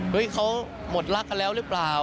เขาหมดรักกันแล้วหรือเปล่า